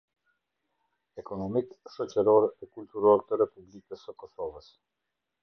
Ekonomik, shoqëror e kulturor të Republikës së Kosovës.